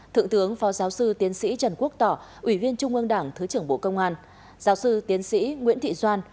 thượng tướng phó giáo sư tiến sĩ trần quốc tỏ ủy viên trung ương đảng thứ trưởng bộ công an giáo sư tiến sĩ nguyễn thị doan